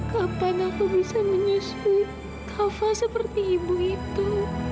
kapan aku bisa menyusui kafa seperti ibu itu